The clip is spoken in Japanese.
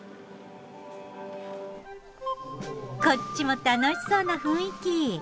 こっちも楽しそうな雰囲気。